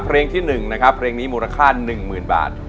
เพลงที่๑หรือเปลงมูลค่า๑๐๐๐๐บาท